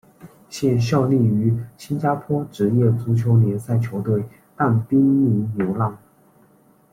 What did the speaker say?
现效力于新加坡职业足球联赛球队淡滨尼流浪。